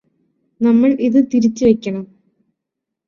നമ്മള് ഇത് തിരിച്ച് വയ്ക്കണം